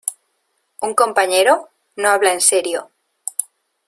¿ Un compañero? No habla en serio.